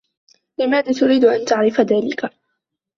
لماذا تريد أن تعرف ذلك؟